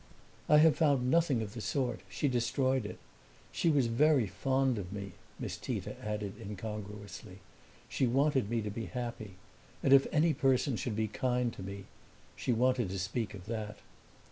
"I have found nothing of the sort she destroyed it. She was very fond of me," Miss Tita added incongruously. "She wanted me to be happy. And if any person should be kind to me she wanted to speak of that."